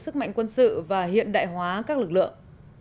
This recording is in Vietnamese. sức mạnh quân sự và hiện đại hóa các lực lượng